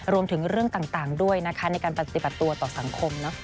รวมถึงเรื่องต่างด้วยนะคะในการปฏิบัติตัวต่อสังคม